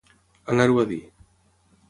Anar-ho a dir.